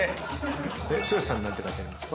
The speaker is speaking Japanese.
剛さん何て書いてありますか？